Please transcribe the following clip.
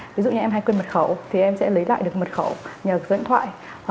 ví dụ như em hay quên mật khẩu thì em sẽ lấy lại được mật khẩu nhờ dẫn thoại